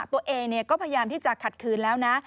ตัวเองก็พยายามที่จะขัดคืนแล้วนะ